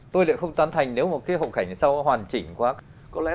tôi rất thích bức ảnh này